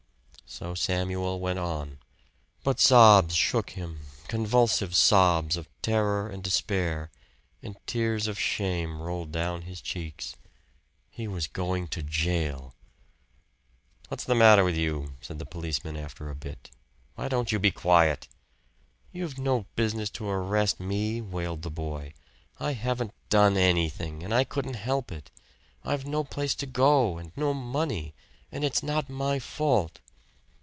So Samuel went on. But sobs shook him, convulsive sobs of terror and despair, and tears of shame rolled down his cheeks. He was going to jail! "What's the matter with you?" said the policeman after a bit. "Why don't you be quiet?" "You've no business to arrest me," wailed the boy. "I haven't done anything, and I couldn't help it. I've no place to go and no money. And it's not my fault."